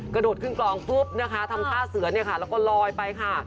กระโดดขึ้นกลองปุ๊บนะคะทำท่าเสือเนี่ยค่ะแล้วก็ลอยไปค่ะ